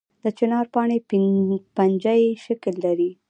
د چنار پاڼې پنجه یي شکل لري